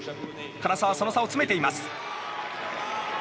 唐澤、その差を詰めています。